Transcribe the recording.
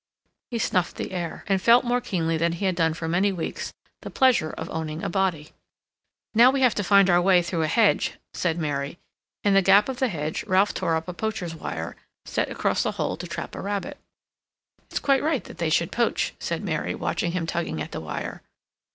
He snuffed the air, and felt more keenly than he had done for many weeks the pleasure of owning a body. "Now we have to find our way through a hedge," said Mary. In the gap of the hedge Ralph tore up a poacher's wire, set across a hole to trap a rabbit. "It's quite right that they should poach," said Mary, watching him tugging at the wire.